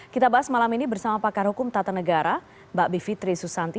kita bahas malam ini bersama pakar hukum tata negara mbak bivitri susanti